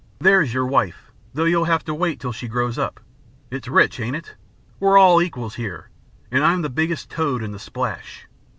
'There's your wife, though you'll have to wait till she grows up. It's rich, ain't it? We're all equals here, and I'm the biggest toad in the splash.